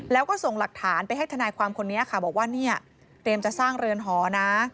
แล้วก็ส่งหลักฐานไปให้ทนายความคนนี้ค่ะบอกว่าเนี่ยเตรียมจะสร้างเรือนหอนะ